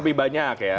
lebih banyak ya